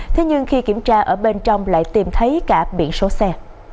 thế nhưng khi kiểm tra ở bên trong lại tìm thấy cả biển số xe